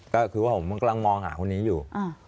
ก็คือว่าผมกำลังมองหาคนนี้อยู่